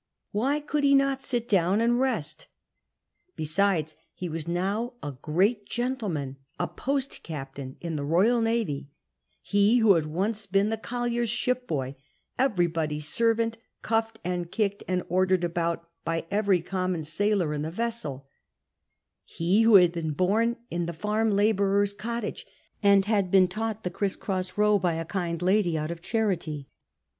Why could he not sit down and rest ?' Besides, ho was now a great gentleman, a post cajitain in the Eoyal Navy, — he who had once been the collier's ship boy, everybody's servant, cuffed and kicked and ordered about by every common sailor in the vessel, — ho who had been bom in the farm labourer's cottage, and been taught the criss cross row by a kind lady out of charity.